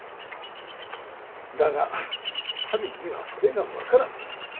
だが民にはそれが分からん。